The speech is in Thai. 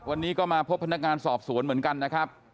วันนี้ก็มาพบพนักงานสอบสวนเหมือนกันนะครับ